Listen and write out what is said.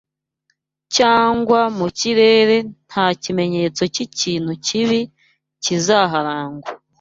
cyangwa mu kirere nta kimenyetso cy’ikintu kibi kizaharangwa